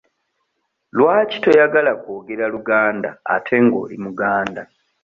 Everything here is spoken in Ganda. Lwaki toyagala kwogera Luganda ate nga oli muganda?